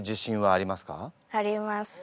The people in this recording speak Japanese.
あります。